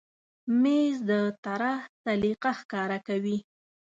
مېز د طراح سلیقه ښکاره کوي.